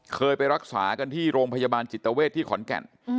เคยไปรักษากันที่โรงพยาบาลจิตเวทที่ขอนแก่น